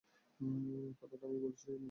কথাটা আমি বলেছি তাকে বলতে পারো।